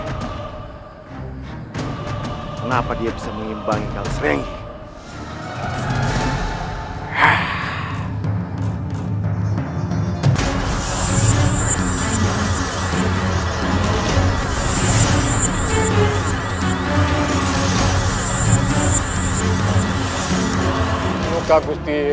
kenapa dia bisa mengimbangi kau sering